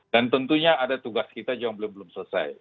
dan tentunya ada tugas kita yang belum selesai